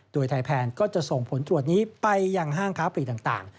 โดยไทยแพนก็จะส่งผลตรวจนี้ไปยังห้างค้าปีต่าง